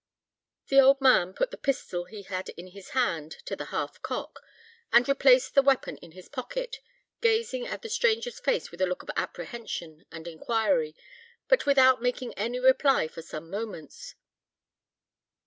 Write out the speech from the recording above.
The old man put the pistol he had in his hand to the half cock, and replaced the weapon in his pocket, gazing in the stranger's face with a look of apprehension and inquiry, but without making any reply for some moments.